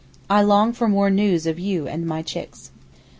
I long for more news of you and my chicks.